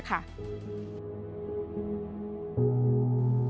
สื่อโซเชียลมีเดียค่ะ